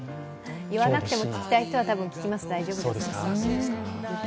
言わなくても聞きたい人は多分聞きます、大丈夫です。